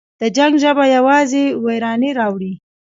د جنګ ژبه یوازې ویرانی راوړي.